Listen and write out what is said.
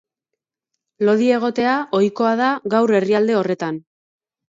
Lodi egotea ohikoa da gaur herrialde horretan.